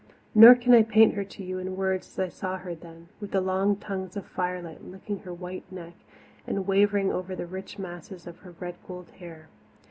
Nor can I paint her to you in words as I saw her then, with the long tongues of firelight licking her white neck and wavering over the rich masses of her red gold hair.